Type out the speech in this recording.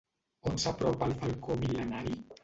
On s'apropa el Falcó Mil·lenari?